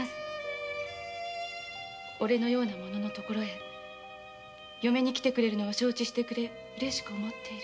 「おれのような者のところへ嫁に来るのを承知してくれてうれしく思っている」